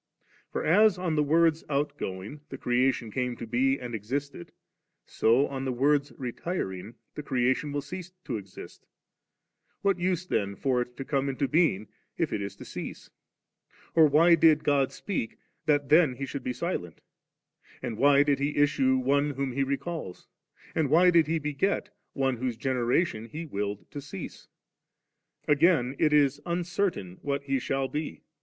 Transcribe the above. For, as on the Word's outgoing, the creation came to be, and existed, so on the Word's retiring, the creation will not exist What use then for it to come into being, if it is to cease ? or why did God speak, that then He should be silent? and why did He issue One whom He recalls ? and why did He beget One whose generation He willed to cease ? Again it is uncertain what He shall be.